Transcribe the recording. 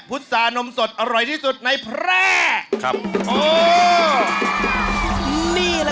พุทธศาสตร์นมสดอร่อยที่สุดในแพร่